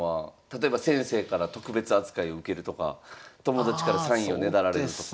例えば先生から特別扱いを受けるとか友達からサインをねだられるとか。